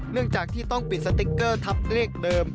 เนื่องจากที่ต้องปิดสติ๊กเกอร์ทับเลขเดิม